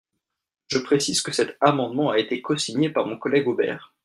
Je précise que cet amendement a été cosigné par mon collègue Aubert.